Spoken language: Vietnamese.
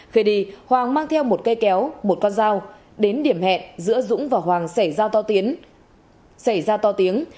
khi đi hoàng mang theo một cây kéo một con dao đến điểm hẹn giữa dũng và hoàng xảy ra to tiếng